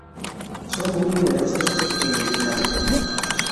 Son muy numerosos en el plancton.